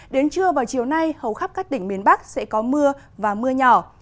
đến trưa vào chiều nay hầu khắp các tỉnh miền bắc sẽ có mưa và mưa nhỏ